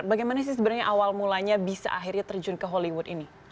bagaimana sih sebenarnya awal mulanya bisa akhirnya terjun ke hollywood ini